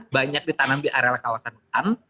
banyak ditanam di area kawasan hutan